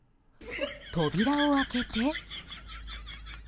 扉を開けて。